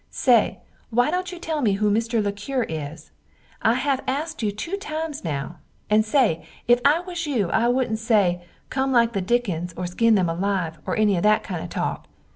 Say why dont you tell me who that Mr. le Cure is? I have askt you too times now, and say if I was you I woodnt say, come like the dickens or skin them alive or enny of that kind of talk.